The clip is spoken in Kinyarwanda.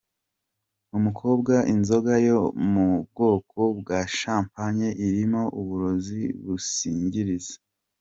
umukobwa inzoga yo mu bwoko bwa shampanye irimo uburozi businziriza.